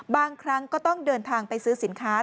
บางครั้งก็ต้องเดินทางไปซื้อสินค้า